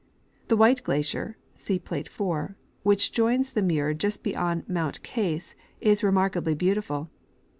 The White glacier (see plate 4), which joins the Muir just beyond mount Case, is remarkably beautiful.